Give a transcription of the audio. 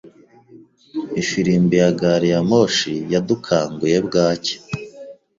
Ifirimbi ya gari ya moshi yadukanguye bwacya.